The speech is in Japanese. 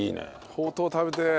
ほうとう食べてえ。